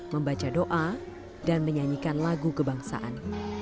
membaca doa dan menyanyikan lagu kebangsaan